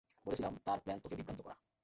বলেছিলাম তার প্ল্যান তোকে বিভ্রান্ত করা।